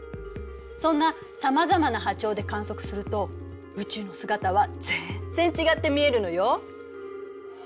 そんなさまざまな波長で観測すると宇宙の姿は全然違って見えるのよ。